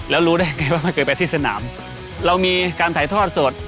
แล้วรู้ได้ไงว่ามันเคยไปที่สนามเรามีการถ่ายทอดสด